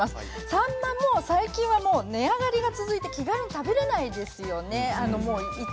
サンマも最近は値上がりが続いて気軽に食べられないんですね。